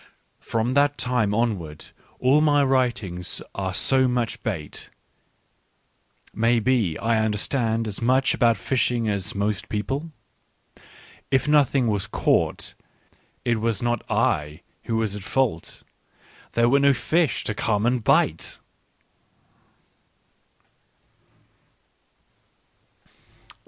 r From that time onward, all my writings are so much bait : maybe I understand as much about fishing as most people ?. If nothing was caught \ it was not I who was at fault There were no fish to come and bite.